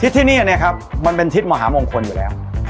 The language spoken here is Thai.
ทิศที่นี่มันเป็นทิศมหาฯมงคลอยู่แล้ว